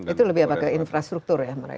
itu lebih apa ke infrastruktur ya